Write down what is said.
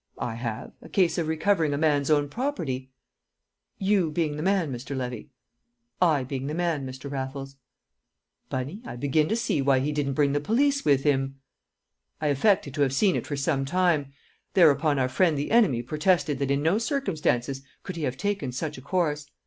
"I have a case of recovering a man's own property." "You being the man, Mr. Levy?" "I being the man, Mr. Raffles." "Bunny, I begin to see why he didn't bring the police with him!" I affected to have seen it for some time; thereupon our friend the enemy protested that in no circumstances could he have taken such a course.